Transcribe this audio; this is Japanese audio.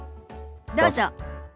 どうぞ。